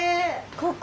ここ？